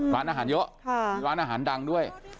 ร้านอาหารเยอะมีร้านอาหารดังด้วย